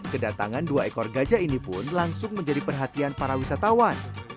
kedatangan dua ekor gajah ini pun langsung menjadi perhatian para wisatawan